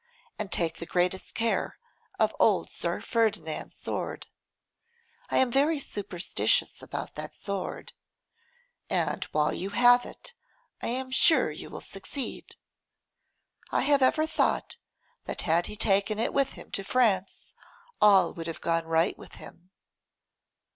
And take the greatest care of old Sir Ferdinand's sword. I am very superstitious about that sword, and while you have it I am sure you will succeed. I have ever thought that had he taken it with him to France all would have gone right with him.